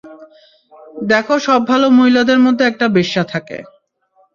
দেখো সব ভালো মহিলাদের মধ্যে একটা বেশ্যা থাকে।